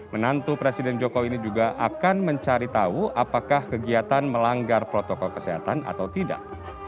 menantu presiden jokowi ini juga akan mencari tahu apakah kegiatan melanggar protokol kesehatan atau tidak